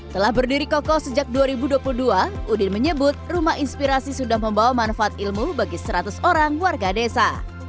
telah berdiri kokoh sejak dua ribu dua puluh dua udin menyebut rumah inspirasi sudah membawa manfaat ilmu bagi seratus orang warga desa